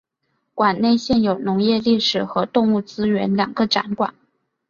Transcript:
馆内现有农业历史和动物资源两个展馆。